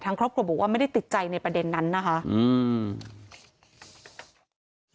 ครอบครัวบอกว่าไม่ได้ติดใจในประเด็นนั้นนะคะอืม